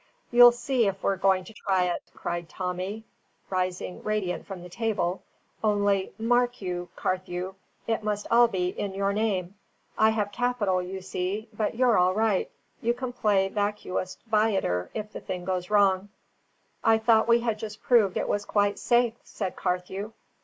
"You'll see if we're going to try it!" cried Tommy, rising radiant from table. "Only, mark you, Carthew, it must be all in your name. I have capital, you see; but you're all right. You can play vacuus viator, if the thing goes wrong." "I thought we had just proved it was quite safe," said Carthew.